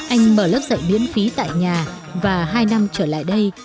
anh mở lớp dạy miễn phí tại nhà và hai năm trở lại đây